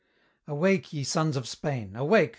Awake, ye sons of Spain! awake!